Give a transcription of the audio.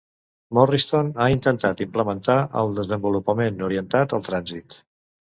Morristown ha intentat implementar el desenvolupament orientat al trànsit.